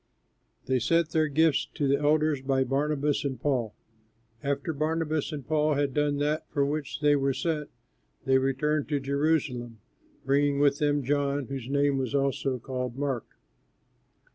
They sent their gifts to the elders by Barnabas and Paul. After Barnabas and Paul had done that for which they were sent, they returned from Jerusalem, bringing with them John, who was also called Mark.